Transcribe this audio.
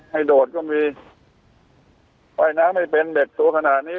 โดดก็มีว่ายน้ำไม่เป็นเด็กสูงขนาดนี้